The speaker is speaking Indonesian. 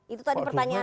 itu tadi pertanyaan